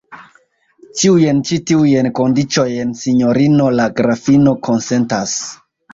Ĉiujn ĉi tiujn kondiĉojn sinjorino la grafino konsentas.